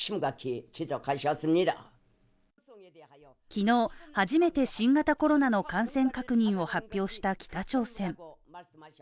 昨日初めて新型コロナの感染確認を発表した北朝鮮。